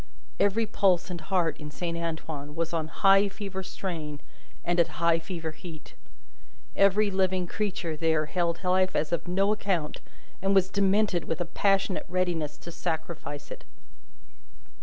Every pulse and heart in Saint Antoine was on high fever strain and at high fever heat. Every living creature there held life as of no account, and was demented with a passionate readiness to sacrifice it.